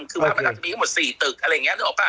คือมันจะมีกันหมดสี่ตึกอะไรอย่างเงี้ยรู้หรอป่ะอ่า